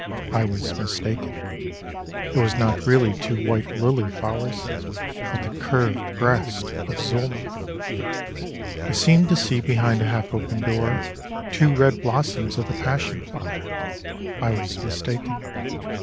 I was mistaken. It was not really two white lily flowers But the curved breasts of Zulma. I seemed to see behind a half'Opened door Two red blossoms of the passion flower. I was mistaken.